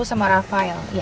sama rahfael ya